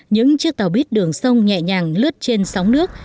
những chiếc tàu bít đường sông nhẹ nhàng lướt trên sóng nước